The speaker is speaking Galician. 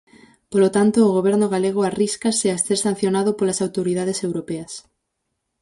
Polo tanto, o Goberno galego arríscase a ser sancionado polas autoridades europeas.